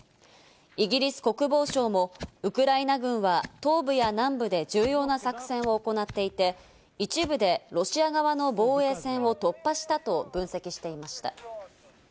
イギリス国防省もウクライナ軍は東部や南部で重要な作戦を行っていて、一部でロシア側の防衛線を突破したと分析していました。